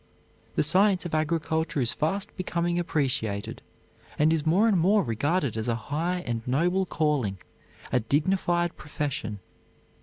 The science of agriculture is fast becoming appreciated and is more and more regarded as a high and noble calling, a dignified profession.